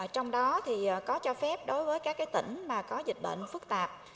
trong đó thì có cho phép đối với các tỉnh có dịch bệnh phức tạp